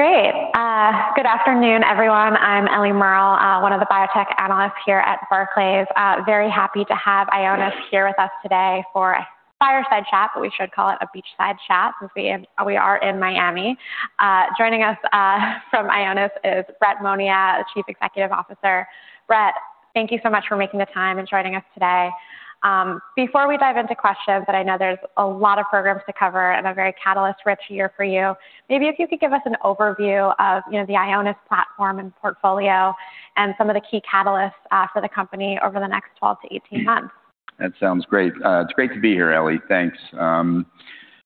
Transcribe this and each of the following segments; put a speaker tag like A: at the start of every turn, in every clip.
A: Okay, great. Good afternoon, everyone. I'm Ellie Merle, one of the biotech analysts here at Barclays. Very happy to have Ionis here with us today for a fireside chat, but we should call it a beachside chat since we are in Miami. Joining us from Ionis is Brett Monia, Chief Executive Officer. Brett, thank you so much for making the time and joining us today. Before we dive into questions that I know there's a lot of programs to cover and a very catalyst-rich year for you, maybe if you could give us an overview of, you know, the Ionis platform and portfolio and some of the key catalysts for the company over the next 12 to 18 months.
B: That sounds great. It's great to be here, Ellie. Thanks. You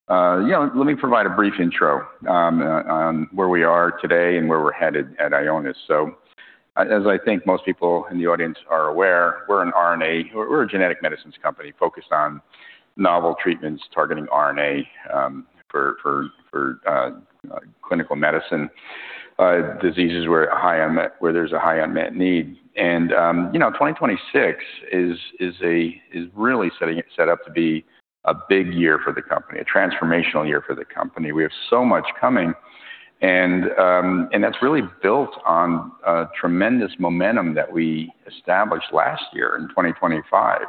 B: know, let me provide a brief intro on where we are today and where we're headed at Ionis. As I think most people in the audience are aware, we're a genetic medicines company focused on novel treatments targeting RNA for clinical medicine diseases where there's a high unmet need. You know, 2026 is really setting up to be a big year for the company, a transformational year for the company. We have so much coming and that's really built on tremendous momentum that we established last year in 2025.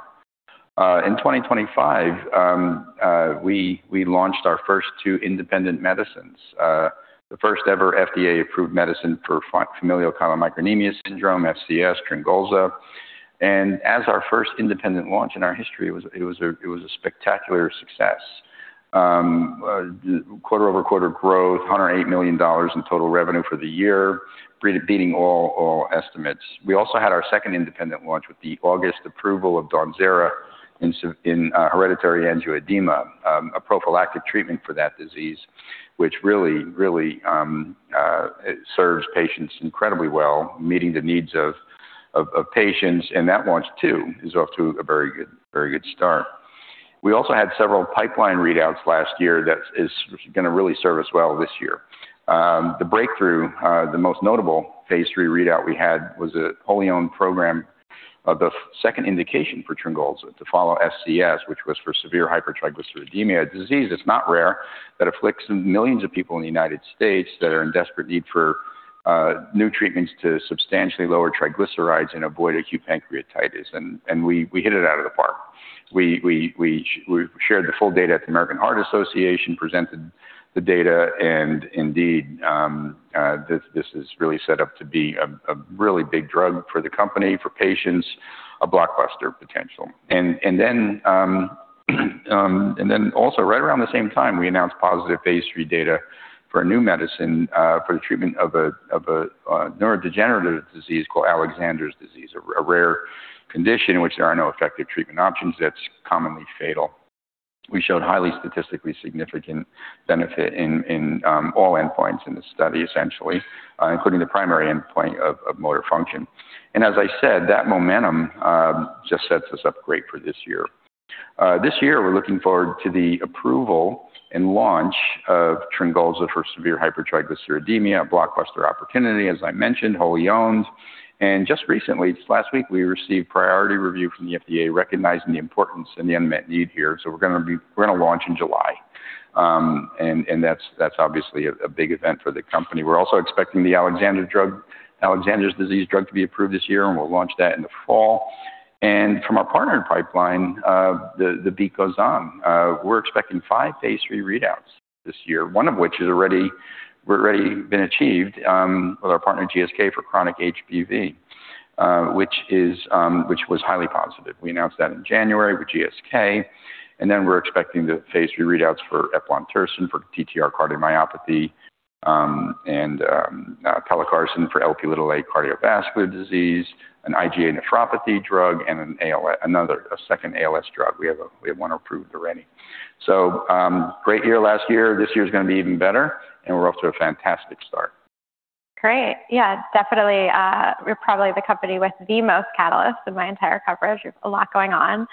B: In 2025, we launched our first two independent medicines, the first ever FDA-approved medicine for Familial chylomicronemia syndrome, FCS, TRYNGOLZA. As our first independent launch in our history, it was a spectacular success. Quarter-over-quarter growth, $108 million in total revenue for the year, beating all estimates. We also had our second independent launch with the August approval of DAWNZERA in hereditary angioedema, a prophylactic treatment for that disease, which really serves patients incredibly well, meeting the needs of patients. That launch too is off to a very good start. We also had several pipeline readouts last year that is gonna really serve us well this year. The breakthrough, the most notable phase III readout we had was a wholly owned program of the second indication for TRYNGOLZA to follow FCS, which was for severe hypertriglyceridemia, a disease that's not rare, that afflicts millions of people in the United States that are in desperate need for new treatments to substantially lower triglycerides and avoid acute pancreatitis. We shared the full data at the American Heart Association, presented the data, and indeed, this is really set up to be a really big drug for the company, for patients, a blockbuster potential. Also right around the same time, we announced positive phase III data for a new medicine for the treatment of a neurodegenerative disease called Alexander disease, a rare condition in which there are no effective treatment options that's commonly fatal. We showed highly statistically significant benefit in all endpoints in the study, essentially, including the primary endpoint of motor function. As I said, that momentum just sets us up great for this year. This year, we're looking forward to the approval and launch of TRYNGOLZA for severe hypertriglyceridemia, a blockbuster opportunity, as I mentioned, wholly owned. Just recently, just last week, we received priority review from the FDA recognizing the importance and the unmet need here. We're gonna launch in July. That's obviously a big event for the company. We're also expecting the Alexander disease drug to be approved this year, and we'll launch that in the fall. From our partnered pipeline, the beat goes on. We're expecting five phase III readouts this year, one of which has already been achieved with our partner GSK for chronic HBV, which was highly positive. We announced that in January with GSK. We're expecting the phase III readouts for eplontersen for ATTR cardiomyopathy, pelacarsen for Lp(a) cardiovascular disease, an IgA nephropathy drug, and another, a second ALS drug. We have one approved already. Great year last year. This year's gonna be even better, and we're off to a fantastic start.
A: Great. Yeah, definitely. You're probably the company with the most catalysts in my entire coverage. You've a lot going on.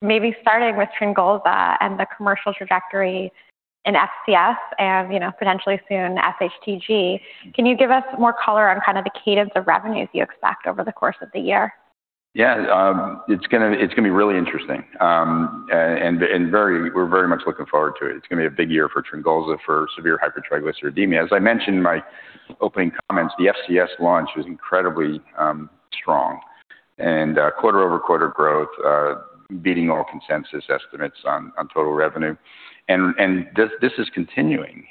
A: Maybe starting with TRYNGOLZA and the commercial trajectory in FCS and, you know, potentially soon sHTG, can you give us more color on kind of the cadence of revenues you expect over the course of the year?
B: Yeah. It's gonna be really interesting, and very we're very much looking forward to it. It's gonna be a big year for TRYNGOLZA for severe hypertriglyceridemia. As I mentioned in my opening comments, the FCS launch was incredibly strong and quarter-over-quarter growth beating all consensus estimates on total revenue. This is continuing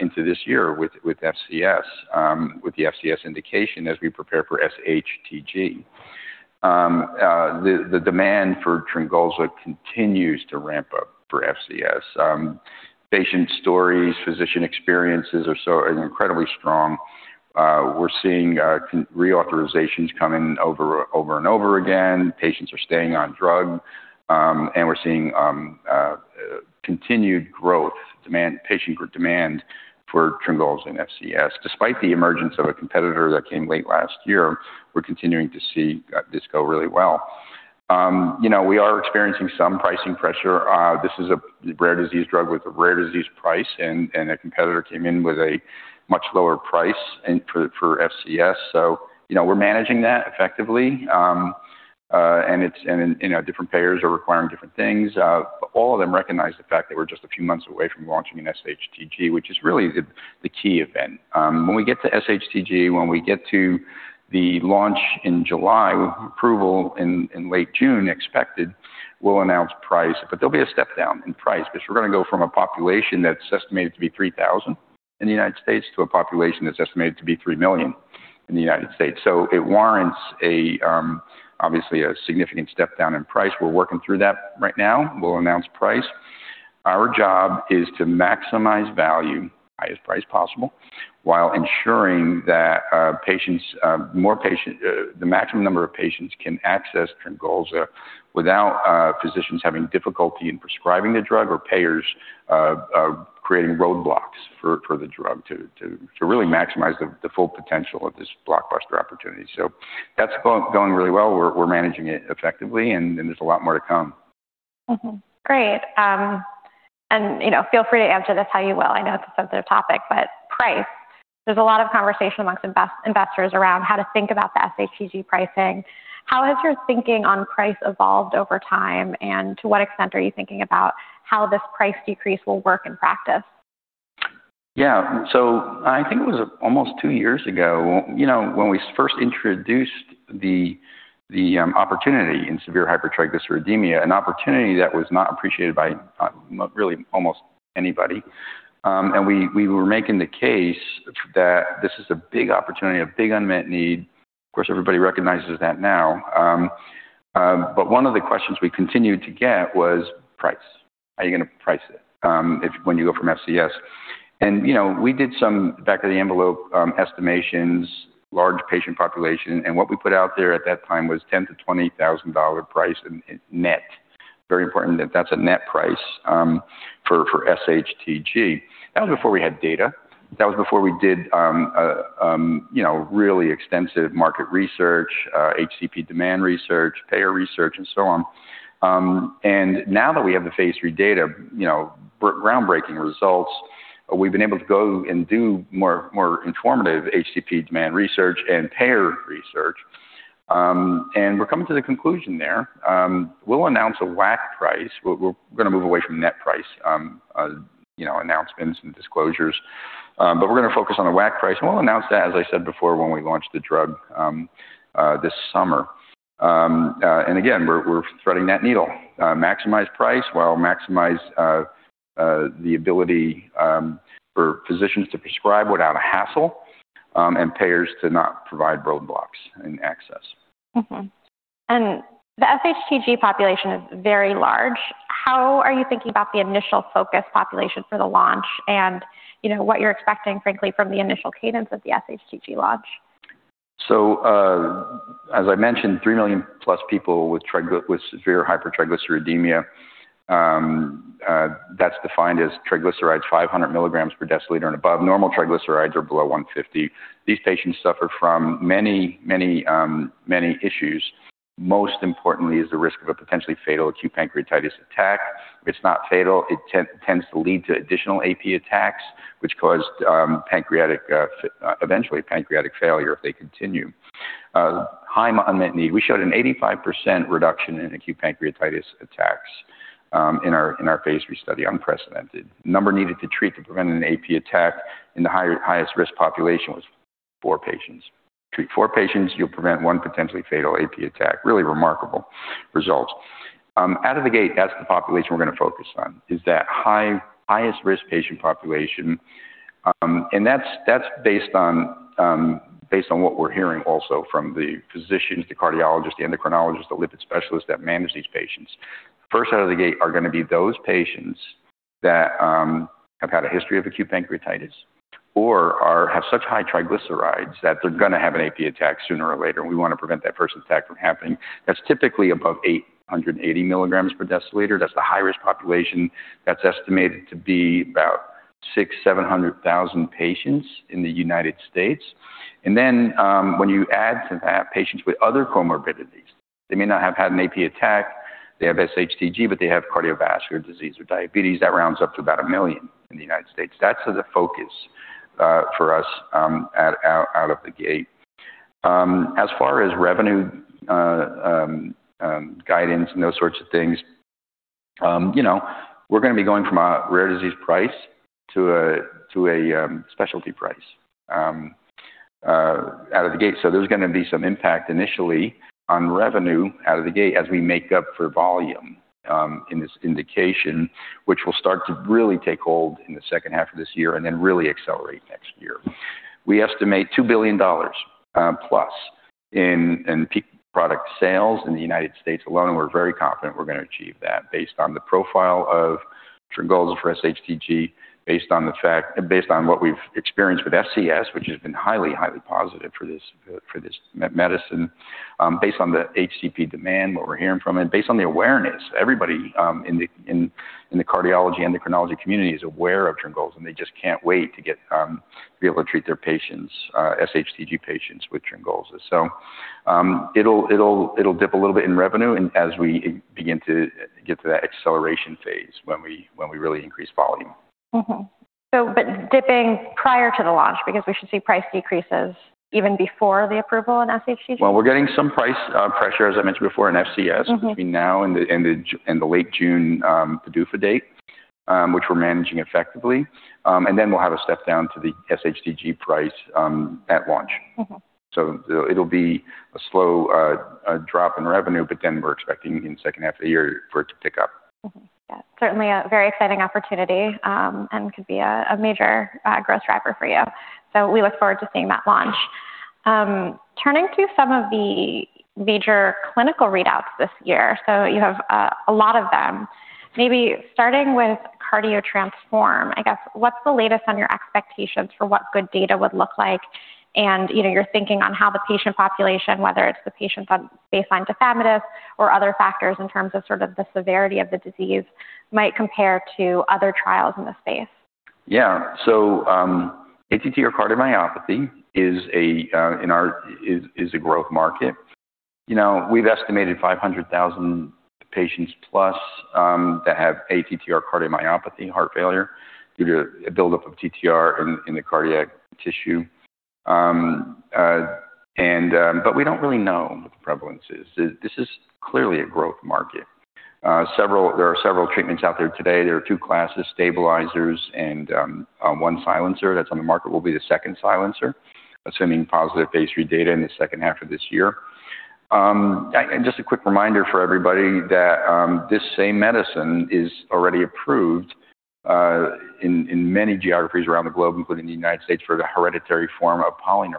B: into this year with FCS with the FCS indication as we prepare for sHTG. The demand for TRYNGOLZA continues to ramp up for FCS. Patient stories, physician experiences are so incredibly strong. We're seeing re-authorizations come in over and over again. Patients are staying on drug and we're seeing continued growth demand, patient group demand for TRYNGOLZA and FCS. Despite the emergence of a competitor that came late last year, we're continuing to see this go really well. You know, we are experiencing some pricing pressure. This is a rare disease drug with a rare disease price, and a competitor came in with a much lower price and for FCS. You know, we're managing that effectively. You know, different payers are requiring different things. All of them recognize the fact that we're just a few months away from launching an sHTG, which is really the key event. When we get to sHTG, when we get to the launch in July, with approval in late June expected, we'll announce price. There'll be a step-down in price because we're gonna go from a population that's estimated to be 3,000 in the United States to a population that's estimated to be three million in the United States. It warrants obviously a significant step-down in price. We're working through that right now. We'll announce price. Our job is to maximize value, highest price possible, while ensuring that patients, the maximum number of patients can access TRYNGOLZA without physicians having difficulty in prescribing the drug or payers creating roadblocks for the drug to really maximize the full potential of this blockbuster opportunity. That's going really well. We're managing it effectively, and then there's a lot more to come.
A: Great. You know, feel free to answer this how you will. I know it's a sensitive topic, but price. There's a lot of conversation among investors around how to think about the sHTG pricing. How has your thinking on price evolved over time, and to what extent are you thinking about how this price decrease will work in practice?
B: Yeah. I think it was almost two years ago, you know, when we first introduced the opportunity in severe hypertriglyceridemia, an opportunity that was not appreciated by really almost anybody. We were making the case that this is a big opportunity, a big unmet need. Of course, everybody recognizes that now. One of the questions we continued to get was price. How are you gonna price it if when you go from FCS? You know, we did some back-of-the-envelope estimations, large patient population, and what we put out there at that time was $10,000-$20,000 price in net. Very important that that's a net price for sHTG. That was before we had data. That was before we did, you know, really extensive market research, HCP demand research, payer research, and so on. Now that we have the phase III data, you know, groundbreaking results, we've been able to go and do more informative HCP demand research and payer research. We're coming to the conclusion there. We'll announce a WAC price. We're gonna move away from net price, you know, announcements and disclosures. We're gonna focus on a WAC price, and we'll announce that, as I said before, when we launch the drug this summer. Again, we're threading that needle. Maximize price while maximizing the ability for physicians to prescribe without a hassle, and payers to not provide roadblocks and access.
A: Mm-hmm. The sHTG population is very large. How are you thinking about the initial focus population for the launch and, you know, what you're expecting, frankly, from the initial cadence of the sHTG launch?
B: As I mentioned, 3+ million people with severe hypertriglyceridemia, that's defined as triglycerides 500 mg per dL and above. Normal triglycerides are below 150 mg. These patients suffer from many issues. Most importantly is the risk of a potentially fatal acute pancreatitis attack. If it's not fatal, it tends to lead to additional AP attacks, which cause eventually pancreatic failure if they continue. High unmet need. We showed an 85% reduction in acute pancreatitis attacks in our phase III study, unprecedented. Number needed to treat to prevent an AP attack in the highest-risk population was four patients. Treat four patients, you'll prevent one potentially fatal AP attack. Really remarkable results. Out of the gate, that's the population we're gonna focus on, is that highest-risk patient population. That's based on what we're hearing also from the physicians, the cardiologists, the endocrinologists, the lipid specialists that manage these patients. First out of the gate are gonna be those patients that have had a history of acute pancreatitis or have such high triglycerides that they're gonna have an AP attack sooner or later. We want to prevent that first attack from happening. That's typically above 880 mg per dL. That's the high-risk population that's estimated to be about 600,000-700,000 patients in the United States. When you add to that patients with other comorbidities, they may not have had an AP attack. They have sHTG, but they have cardiovascular disease or diabetes. That rounds up to about a million in the United States. That's the focus for us out of the gate. As far as revenue guidance and those sorts of things, you know, we're gonna be going from a rare disease price to a specialty price out of the gate. There's gonna be some impact initially on revenue out of the gate as we make up for volume in this indication, which will start to really take hold in the second half of this year and then really accelerate next year. We estimate $2+ billion in peak product sales in the United States alone. We're very confident we're going to achieve that based on the profile of TRYNGOLZA for sHTG, based on the fact. Based on what we've experienced with FCS, which has been highly positive for this medicine, based on the HCP demand, what we're hearing from, and based on the awareness. Everybody in the cardiology, endocrinology community is aware of TRYNGOLZA, and they just can't wait to get to be able to treat their patients, sHTG patients with TRYNGOLZA. It'll dip a little bit in revenue and as we begin to get to that acceleration phase when we really increase volume.
A: Dipping prior to the launch because we should see price decreases even before the approval in sHTG?
B: Well, we're getting some price pressure, as I mentioned before, in FCS.
A: Mm-hmm
B: Between now and the late June PDUFA date, which we're managing effectively. We'll have a step down to the sHTG price at launch.
A: Mm-hmm.
B: It'll be a slow drop in revenue, but then we're expecting in second half of the year for it to pick up.
A: Yeah. Certainly a very exciting opportunity, and could be a major growth driver for you. We look forward to seeing that launch. Turning to some of the major clinical readouts this year. You have a lot of them. Maybe starting with CARDIO-TTRansform, I guess what's the latest on your expectations for what good data would look like? You know, your thinking on how the patient population, whether it's the patients on baseline tafamidis or other factors in terms of the severity of the disease might compare to other trials in the space.
B: ATTR cardiomyopathy is a growth market. You know, we've estimated 500,000 patients plus that have ATTR cardiomyopathy, heart failure, due to a buildup of TTR in the cardiac tissue. We don't really know what the prevalence is. This is clearly a growth market. There are several treatments out there today. There are two classes, stabilizers and one silencer that's on the market will be the second silencer, assuming positive phase III data in the second half of this year. A quick reminder for everybody that this same medicine is already approved in many geographies around the globe, including the United States, for the hereditary form of polyneuropathy.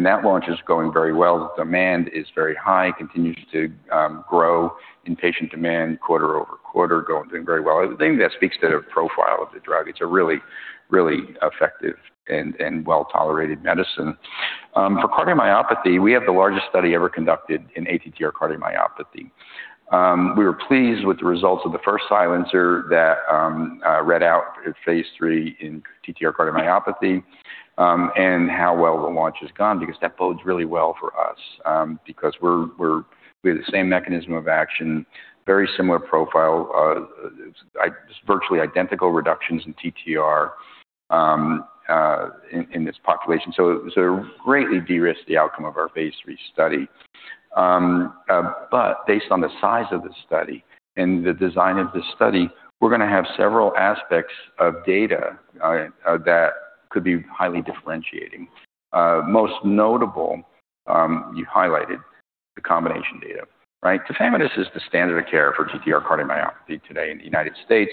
B: That launch is going very well. The demand is very high and continues to grow in patient demand quarter-over-quarter, doing very well. I think that speaks to the profile of the drug. It's a really effective and well-tolerated medicine. For cardiomyopathy, we have the largest study ever conducted in ATTR cardiomyopathy. We were pleased with the results of the first silencer that read out at phase III in TTR cardiomyopathy, and how well the launch has gone because that bodes really well for us. Because we have the same mechanism of action, very similar profile, it's virtually identical reductions in TTR in this population. It greatly de-risks the outcome of our phase III study. Based on the size of the study and the design of the study, we're gonna have several aspects of data that could be highly differentiating. Most notable, you highlighted the combination data, right? Tafamidis is the standard of care for TTR cardiomyopathy today in the United States.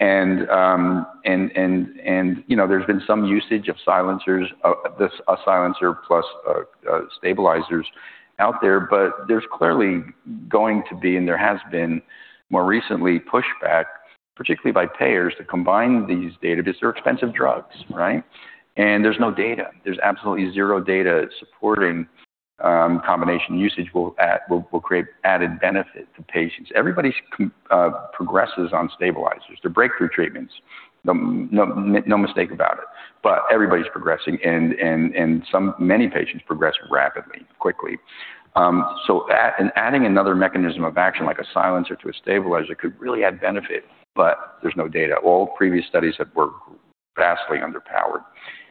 B: You know, there's been some usage of silencers, a silencer plus stabilizers out there. There's clearly going to be, and there has been more recently pushback, particularly by payers, to combine these data because they're expensive drugs, right? There's no data. There's absolutely zero data supporting combination usage will create added benefit to patients. Everybody progresses on stabilizers. They're breakthrough treatments. No mistake about it. Everybody's progressing and many patients progress rapidly, quickly. Adding another mechanism of action like a silencer to a stabilizer could really add benefit, but there's no data. All previous studies were vastly underpowered.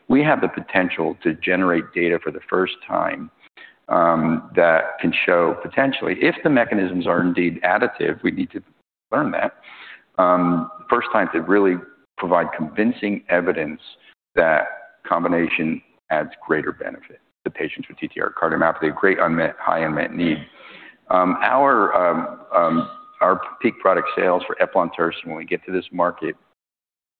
B: We have the potential to generate data for the first time that can show potentially if the mechanisms are indeed additive, we need to learn that. First time to really provide convincing evidence that combination adds greater benefit to patients with TTR cardiomyopathy, a high unmet need. Our peak product sales for eplontersen when we get to this market,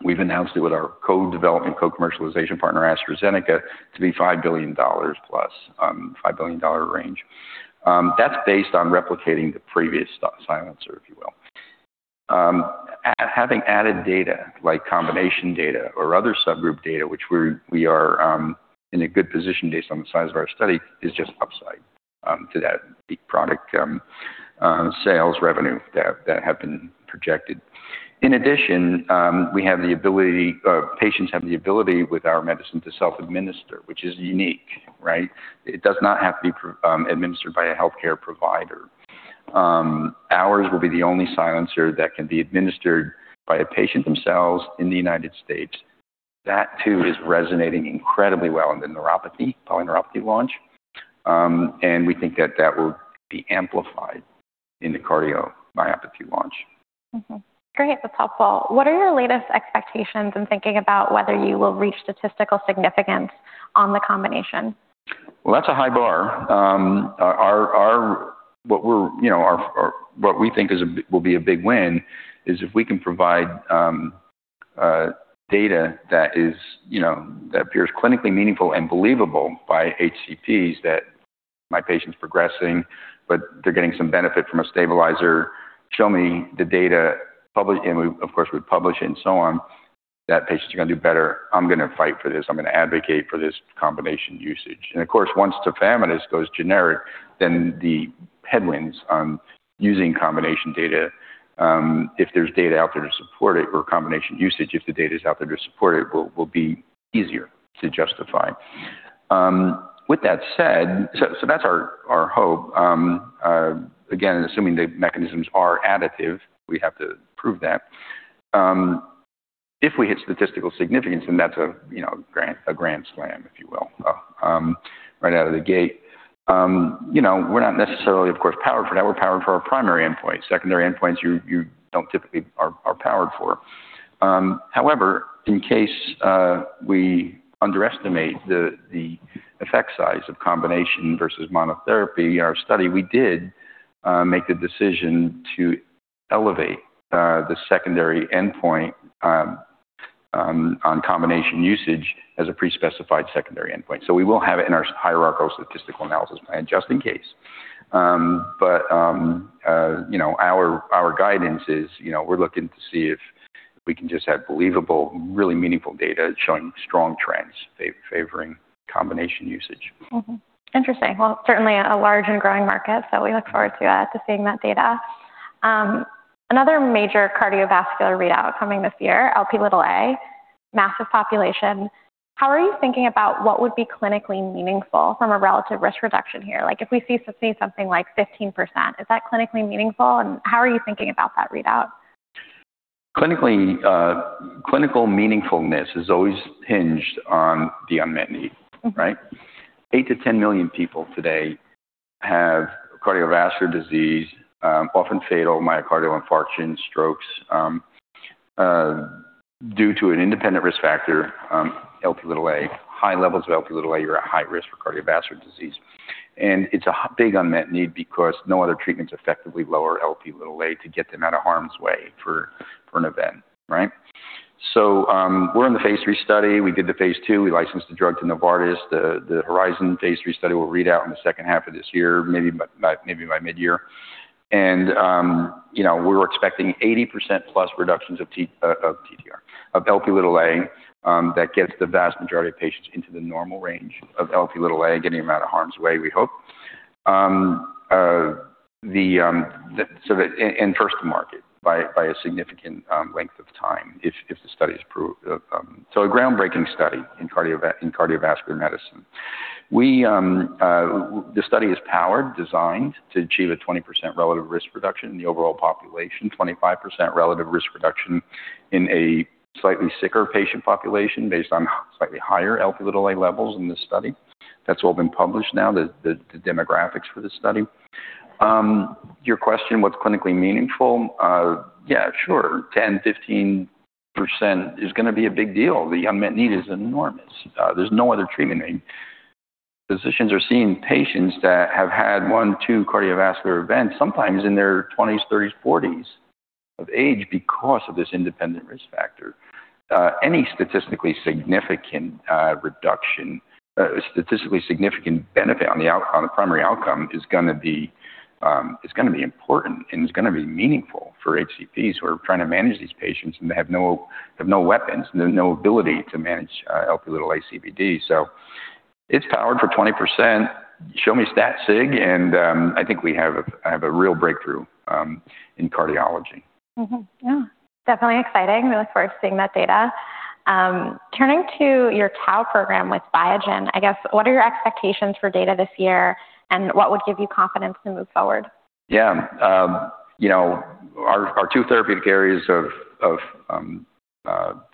B: we've announced it with our co-development, co-commercialization partner, AstraZeneca, to be $5+ billion, $5 billion range. That's based on replicating the previous silencer, if you will. Having added data like combination data or other subgroup data, which we are in a good position based on the size of our study, is just upside to that peak product sales revenue that have been projected. In addition, patients have the ability with our medicine to self-administer, which is unique, right? It does not have to be administered by a healthcare provider. Ours will be the only silencer that can be administered by a patient themselves in the United States. That too is resonating incredibly well in the neuropathy, polyneuropathy launch. We think that that will be amplified in the cardiomyopathy launch.
A: Great. That's helpful. What are your latest expectations in thinking about whether you will reach statistical significance on the combination?
B: Well, that's a high bar. What we think will be a big win is if we can provide data that is, you know, that appears clinically meaningful and believable by HCPs that my patient's progressing, but they're getting some benefit from a stabilizer. Show me the data, and we, of course, publish it and so on, that patients are gonna do better. I'm gonna fight for this. I'm gonna advocate for this combination usage. Of course, once tafamidis goes generic, then the headwinds on using combination data, if there's data out there to support it or combination usage, if the data is out there to support it, will be easier to justify. With that said, that's our hope. Again, assuming the mechanisms are additive, we have to prove that. If we hit statistical significance, then that's a grand slam, if you will, right out of the gate. You know, we're not necessarily, of course, powered for that. We're powered for our primary endpoint. Secondary endpoints, you don't typically are powered for. However, in case we underestimate the effect size of combination versus monotherapy in our study, we did make the decision to elevate the secondary endpoint on combination usage as a pre-specified secondary endpoint. We will have it in our hierarchical statistical analysis plan just in case. Our guidance is, you know, we're looking to see if we can just have believable, really meaningful data showing strong trends favoring combination usage.
A: Interesting. Well, certainly a large and growing market, so we look forward to seeing that data. Another major cardiovascular readout coming this year, Lp(a), massive population. How are you thinking about what would be clinically meaningful from a relative risk reduction here? Like, if we see something like 15%, is that clinically meaningful, and how are you thinking about that readout?
B: Clinically, clinical meaningfulness is always hinged on the unmet need, right?
A: Mm-hmm.
B: Eight-10 million people today have cardiovascular disease, often fatal myocardial infarctions, strokes, due to an independent risk factor, Lp(a), high levels of Lp(a). You're at high risk for cardiovascular disease. It's a big unmet need because no other treatments effectively lower Lp(a) to get them out of harm's way for an event, right? We're in the phase III study. We did the phase II. We licensed the drug to Novartis. The HORIZON phase III study will read out in the second half of this year, maybe by midyear. You know, we're expecting 80%+ reductions of TTR, of Lp(a), that gets the vast majority of patients into the normal range of Lp(a), getting them out of harm's way, we hope. First to market by a significant length of time if the study is approved. A groundbreaking study in cardiovascular medicine. The study is powered, designed to achieve a 20% relative risk reduction in the overall population, 25% relative risk reduction in a slightly sicker patient population based on slightly higher Lp(a) levels in this study. That's all been published now, the demographics for this study. Your question, what's clinically meaningful? 10%, 15% is gonna be a big deal. The unmet need is enormous. There's no other treatment. Physicians are seeing patients that have had one, two cardiovascular events sometimes in their 20s, 30s, 40s of age because of this independent risk factor. Any statistically significant reduction, statistically significant benefit on the primary outcome is gonna be important, and it's gonna be meaningful for HCPs who are trying to manage these patients, and they have no weapons. They have no ability to manage Lp(a) CVD. It's powered for 20%. Show me stat sig, and I think we have a real breakthrough in cardiology.
A: Mm-hmm. Yeah. Definitely exciting. Really look forward to seeing that data. Turning to your tau program with Biogen, I guess, what are your expectations for data this year, and what would give you confidence to move forward?
B: Yeah. You know, our two therapeutic areas of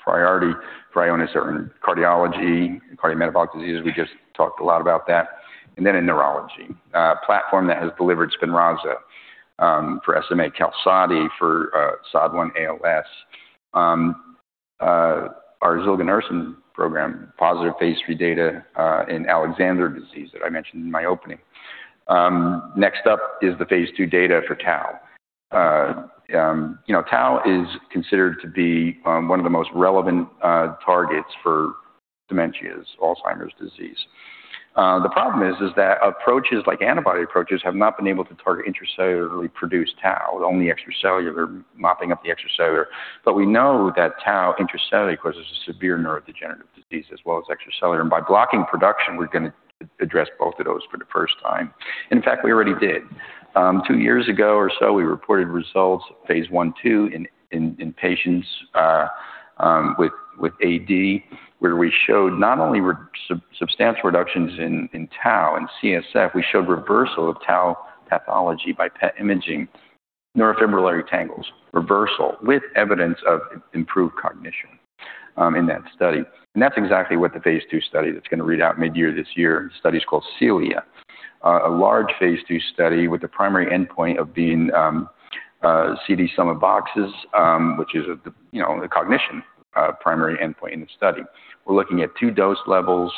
B: priority for Ionis are in cardiology, cardiometabolic diseases. We just talked a lot about that, and then in neurology. A platform that has delivered Spinraza for SMA, QALSODY for SOD1 ALS. Our zilganersen program, positive phase III data in Alexander disease that I mentioned in my opening. Next up is the phase II data for tau. You know, tau is considered to be one of the most relevant targets for dementias, Alzheimer's disease. The problem is that approaches like antibody approaches have not been able to target intracellularly produced tau, only extracellular, mopping up the extracellular. We know that tau intracellular causes a severe neurodegenerative disease as well as extracellular, and by blocking production, we're gonna address both of those for the first time. In fact, we already did. Two years ago or so, we reported results phase I, two in patients with AD, where we showed not only substantial reductions in tau and CSF, we showed reversal of tau pathology by PET imaging, neurofibrillary tangles, reversal with evidence of improved cognition in that study. That's exactly what the phase II study that's gonna read out midyear this year. The study is called CELIA, a large phase II study with the primary endpoint of being CD Sum of Boxes, which is, you know, the cognition primary endpoint in the study. We're looking at two dose levels.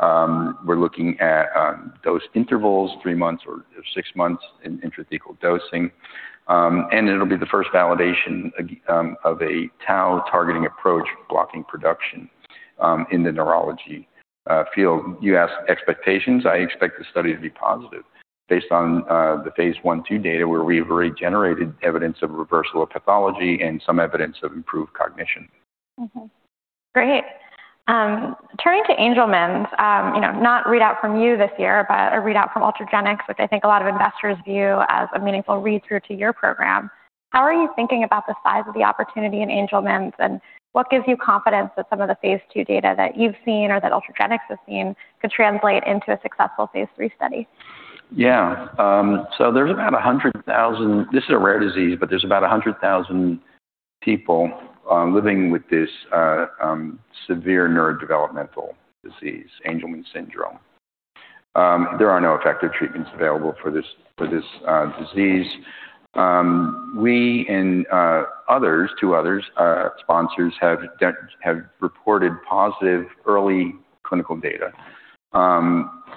B: We're looking at dose intervals, three months or six months in intrathecal dosing. It'll be the first validation of a tau targeting approach blocking production in the neurology field. You asked expectations. I expect the study to be positive based on the phase I two data where we've already generated evidence of reversal of pathology and some evidence of improved cognition.
A: Great. Turning to Angelman, you know, not readout from you this year, but a readout from Ultragenyx, which I think a lot of investors view as a meaningful read-through to your program. How are you thinking about the size of the opportunity in Angelman, and what gives you confidence that some of the phase II data that you've seen or that Ultragenyx has seen could translate into a successful phase III study?
B: There's about 100,000 people living with this severe neurodevelopmental disease, Angelman syndrome. This is a rare disease. There are no effective treatments available for this disease. We and two other sponsors have reported positive early clinical data.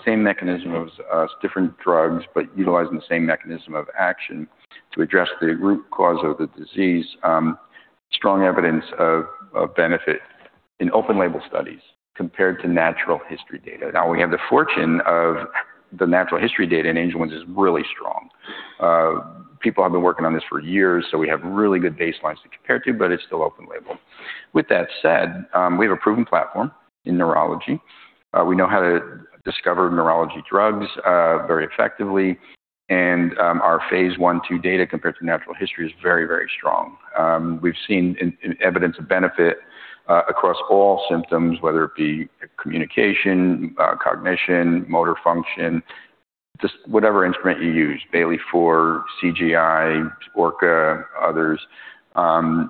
B: Same mechanism of different drugs, but utilizing the same mechanism of action to address the root cause of the disease. Strong evidence of benefit in open label studies compared to natural history data. We have the fortune of the natural history data, and Angelman's is really strong. People have been working on this for years, so we have really good baselines to compare to, but it's still open label. With that said, we have a proven platform in neurology. We know how to discover neurology drugs very effectively, and our phase I/2 data compared to natural history is very, very strong. We've seen in evidence of benefit across all symptoms, whether it be communication, cognition, motor function, just whatever instrument you use, Bayley-4, CGI, ORCA, others,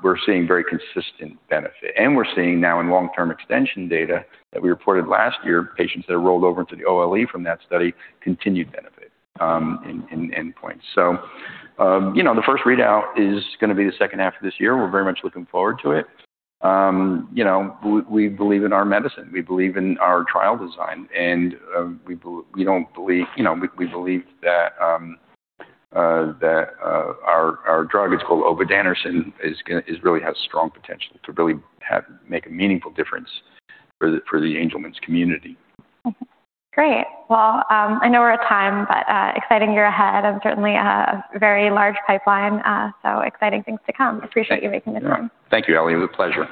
B: we're seeing very consistent benefit. We're seeing now in long-term extension data that we reported last year, patients that are rolled over into the OLE from that study continued benefit in endpoints. You know, the first readout is gonna be the second half of this year. We're very much looking forward to it. You know, we believe in our medicine. We believe in our trial design, and we don't believe. You know, we believe that our drug, it's called Obudanersen, it really has strong potential to make a meaningful difference for the Angelman's community.
A: Great. Well, I know we're at time, but exciting year ahead and certainly a very large pipeline, so exciting things to come. Appreciate you making the time.
B: Thank you, Ellie. It was a pleasure.